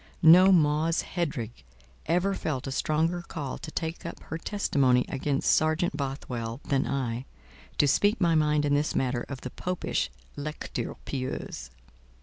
No Mause Headrigg ever felt a stronger call to take up her testimony against Sergeant Bothwell, than I—to speak my mind in this matter of the popish "lecture pieuse."